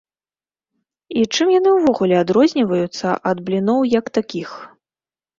І чым яны ўвогуле адрозніваюцца ад бліноў як такіх?